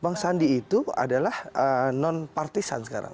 bang sandi itu adalah non partisan sekarang